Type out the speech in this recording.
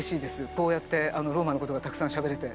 こうやってローマのことがたくさんしゃべれて。